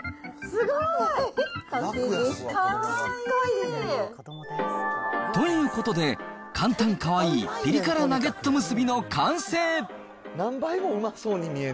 すごい。ということで、簡単かわいいピリ辛ナゲットむすびの完成。